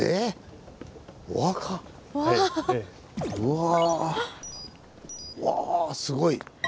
うわあわすごい。